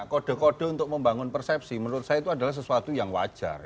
kode kode untuk membangun persepsi menurut saya itu adalah sesuatu yang wajar